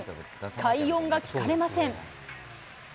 快音が聞かれません。